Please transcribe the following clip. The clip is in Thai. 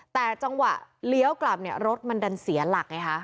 แต่จังหวะเลี้ยวกลับเนี่ยรถมันดันเสียหลักไงคะ